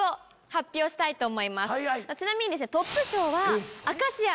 ちなみに。